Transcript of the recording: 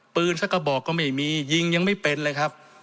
สักกระบอกก็ไม่มียิงยังไม่เป็นเลยครับ